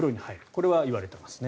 これは言われていますね。